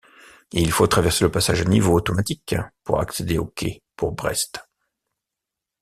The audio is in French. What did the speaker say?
Il faut traverser le passage à niveau automatique pour accéder au quai pour Brest.